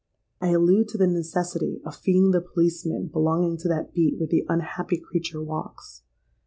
I allude to the necessity of feeing the policeman belonging to that beat where the unhappy creature walks.